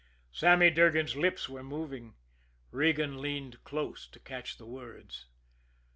Sammy Durgan's lips were moving. Regan leaned close to catch the words.